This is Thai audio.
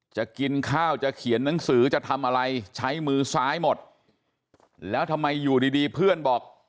จะกินข้าวจะเขียนหนังสือจะทำอะไรใช้มือซ้ายหมดแล้วทำไมอยู่ดีดีเพื่อนบอก